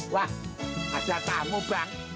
wah ada tamu bang